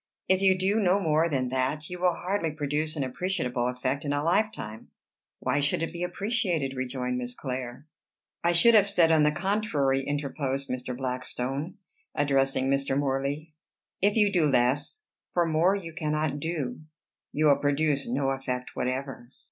"If you do no more than that, you will hardly produce an appreciable effect in a lifetime." "Why should it be appreciated?" rejoined Miss Clare. "I should have said, on the contrary," interposed Mr. Blackstone, addressing Mr. Morley, "if you do less for more you cannot do you will produce no effect whatever."